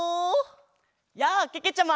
やあけけちゃま！